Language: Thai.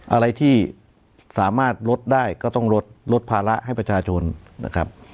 อะไรที่สามารถลดได้ก็ต้องลดลดภาระให้ประชาชนนะครับ